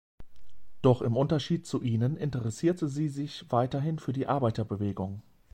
Doch im Unterschied zu ihnen interessierte sie sich weiterhin für die Arbeiterbewegung.